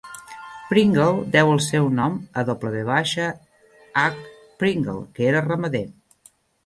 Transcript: Pringle deu el seu nom a W. H. Pringle, que era ramader.